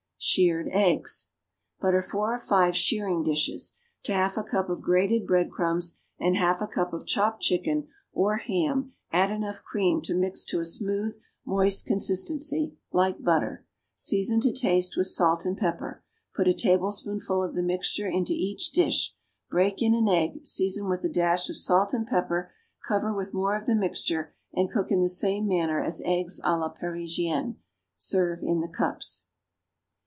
=Shirred Eggs.= Butter four or five shirring dishes. To half a cup of grated bread crumbs and half a cup of chopped chicken or ham add enough cream to mix to a smooth, moist consistency, like butter. Season to taste with salt and pepper. Put a tablespoonful of the mixture into each dish, break in an egg, season with a dash of salt and pepper, cover with more of the mixture, and cook in the same manner as eggs à la Parisienne. Serve in the cups.